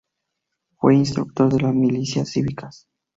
Fue instructor de las milicias cívicas.